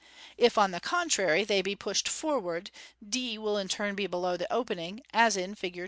If, on the contrary, they be pushed forward, d will in turn be below the opening, as in Fig.